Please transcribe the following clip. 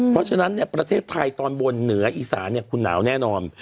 เพราะฉะนั้นประเทศไทยตอนบนเหนืออีสานคุณหนาวแน่นอน